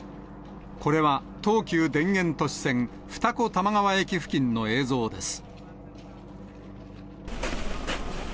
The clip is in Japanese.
これは東急田園都市線二子玉川駅付近の映像です。